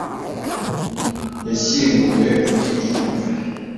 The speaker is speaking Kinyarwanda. Yashyinguwe muri iyi mva.